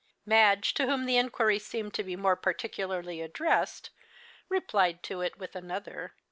Madge, to whom the inquiry seemed to be more particularly addressed, replied to it with another.